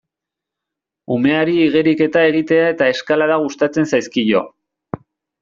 Umeari igeriketa egitea eta eskalada gustatzen zaizkio.